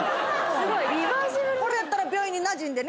これやったら病院になじんでね。